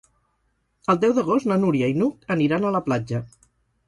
El deu d'agost na Núria i n'Hug aniran a la platja.